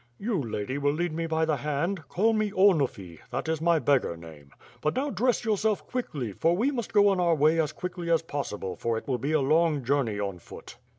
You, Lady, will lead me by the hand, call me Onufy, that is my beggar name. But now, dress yourself quickly, for we must go on our way as quickly as possible for it will be a long journey on foot."